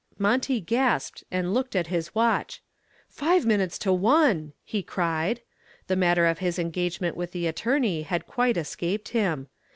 Monty gasped and looked at his watch. "Five minutes to one," he cried. The matter of his engagement with the attorney had quite escaped him.